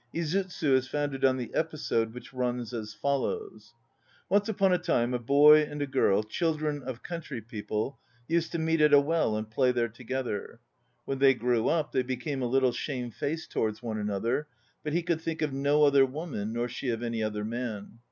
Izutsu is founded on the episode which runs as follows: Once upon a time a boy and a girl, children of country people, used to meet at a well and play there together. When they grew up they became a little shame faced towards one another, but he could think of no other woman, nor she of any other man.